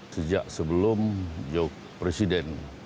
sejak sebelum jok presiden